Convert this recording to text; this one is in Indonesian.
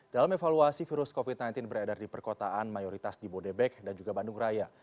dalam evaluasi virus covid sembilan belas beredar di perkotaan mayoritas di bodebek dan juga bandung raya